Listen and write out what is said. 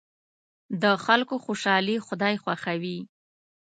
د خلکو خوشحالي خدای خوښوي.